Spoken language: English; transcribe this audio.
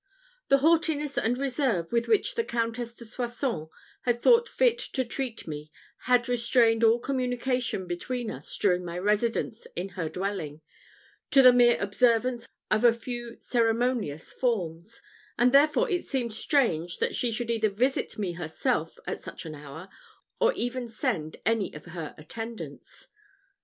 The haughtiness and reserve with which the Countess de Soissons had thought fit to treat me had restrained all communication between us during my residence in her dwelling, to the mere observance of a few ceremonious forms, and therefore it seemed strange that she should either visit me herself at such an hour, or even send any of her attendants.